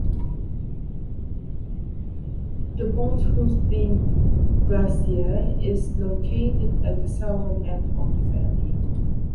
The Bondhusbreen glacier is located at the southern end of the valley.